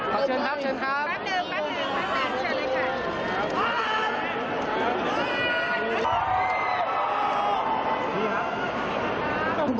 ขอบคุณครับ